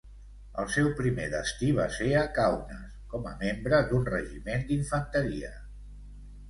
El seu primer destí va ser a Kaunas, com a membre d'un regiment d'infanteria.